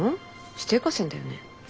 指定河川だよね？